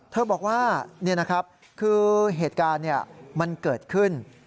เธอบอกว่าเหตุการณ์เกิดขึ้น